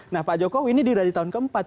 nah pak jokowi ini dari tahun keempat